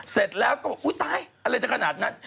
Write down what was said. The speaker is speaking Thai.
เสร็จแล้วก็บอกอุ๊ยตายอะไรจะขนาดนั้น